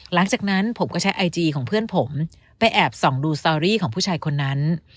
หลังจากนั้นผมก็ใช้ไอจีของเพื่อนผมไปแอบส่องดูสตอรี่ของผู้ชายคนนั้น